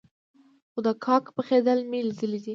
خو د کاک پخېدل مې ليدلي دي.